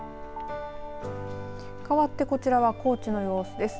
かわってこちらは高知の様子です。